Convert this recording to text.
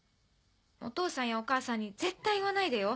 お父さんやお母さんに絶対言わないでよ。